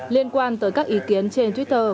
liên quan tới các ý kiến trên twitter